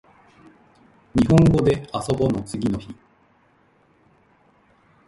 にほんごであそぼの次の日